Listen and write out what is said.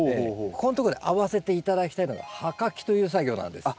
ここんとこであわせて頂きたいのが葉かきという作業なんです。